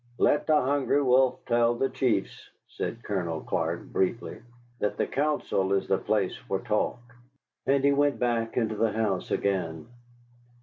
"Let the Hungry Wolf tell the chiefs," said Colonel Clark, briefly, "that the council is the place for talk." And he went back into the house again.